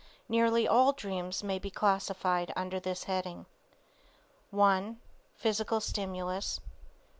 Nearly all dreams may be classified under this heading: 1. Physical Stimulus.